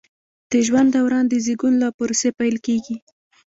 د ژوند دوران د زیږون له پروسې پیل کیږي.